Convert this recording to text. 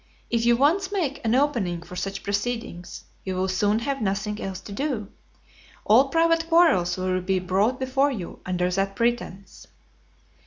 If you once make an opening for such proceedings, you will soon have nothing else to do. All private quarrels will be brought before you under that pretence."